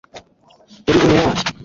uri intwari